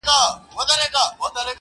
• يو ما و تا ـ